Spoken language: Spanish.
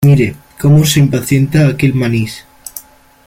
mire cómo se impacienta aquel manís.